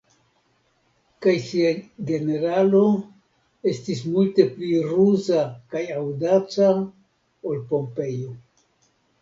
Kaj sia generalo estis multe pli ruza kaj aŭdaca ol Pompejo.